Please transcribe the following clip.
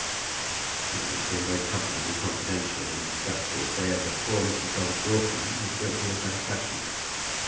She then became very comfortably confidential, and discussed the affairs of poor Mrs. Dobbs Broughton with a great deal of satisfaction.